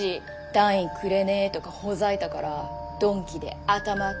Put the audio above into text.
単位くれねえとかほざいたから鈍器で頭ドーン！